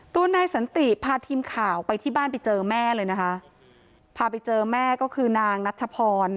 ตัวนายสันติพาทีมข่าวไปที่บ้านไปเจอแม่เลยนะคะพาไปเจอแม่ก็คือนางนัชพร